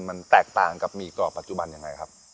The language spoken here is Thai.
มันแตกต่างกับหมี่กรอบปัจจุบันยังไงครับ